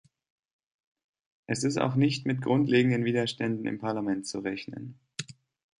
Es ist auch nicht mit grundlegenden Widerständen im Parlament zu rechnen.